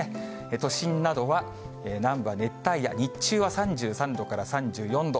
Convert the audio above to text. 都心などは南部は熱帯夜、日中は３３度から３４度。